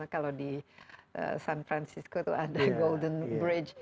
kalau di san francisco itu ada golden bridge